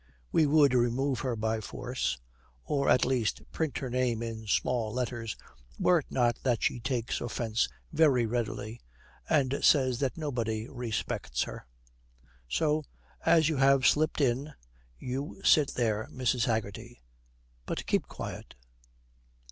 We would remove her by force, or at least print her name in small letters, were it not that she takes offence very readily and says that nobody respects her. So, as you have slipped in, you sit there, Mrs. Haggerty; but keep quiet.